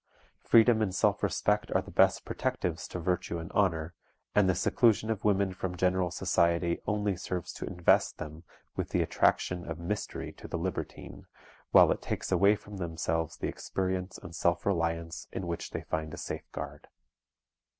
Freedom and self respect are the best protectives to virtue and honor, and the seclusion of women from general society only serves to invest them with the attraction of mystery to the libertine, while it takes away from themselves the experience and self reliance in which they find a safeguard.